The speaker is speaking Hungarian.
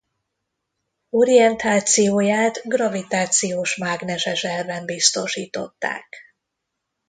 Orientációját gravitációs-mágneses elven biztosították.